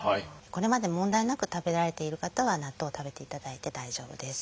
これまで問題なく食べられている方は納豆を食べていただいて大丈夫です。